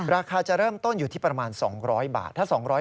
ราคาจะเริ่มต้นอยู่ที่ประมาณ๒๐๐บาท